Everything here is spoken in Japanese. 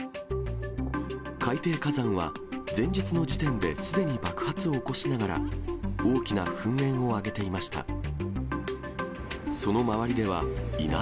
海底火山は、前日の時点ですでに爆発を起こしながら、大きな噴煙を上げていました。